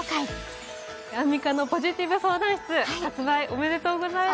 「アンミカのポジティブ相談室」発売、おめでとうございます。